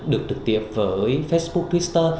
được trực tiếp với facebook twitter